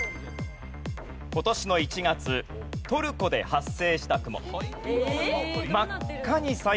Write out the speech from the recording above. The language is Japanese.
今年の１月トルコで発生した雲。